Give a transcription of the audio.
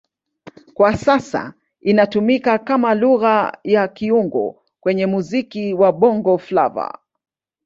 Kwa sasa inatumika kama Lugha ya kiungo kwenye muziki wa Bongo Flava.